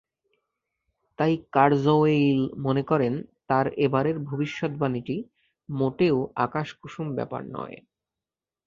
তাই কারজওয়েইল মনে করেন, তাঁর এবারের ভবিষ্যদ্বাণীটি মোটেও আকাশকুসুম ব্যাপার নয়।